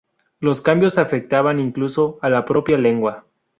Los cambios afectaban incluso a la propia lengua.